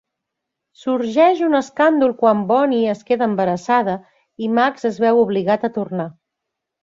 Sorgeix un escàndol quan Boonyi es queda embarassada i Max es veu obligat a tornar.